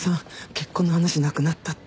結婚の話なくなったって。